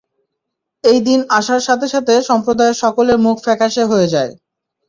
এই দিন আসার সাথে সাথে সম্প্রদায়ের সকলের মুখ ফ্যাকাসে হয়ে যায়।